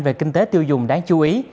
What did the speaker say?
về kinh tế tiêu dùng đáng chú ý